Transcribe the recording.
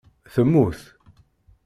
Temmut